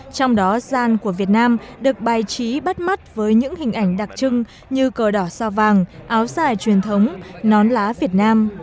trong đó gian của việt nam được bài trí bắt mắt với những hình ảnh đặc trưng như cờ đỏ sao vàng áo dài truyền thống nón lá việt nam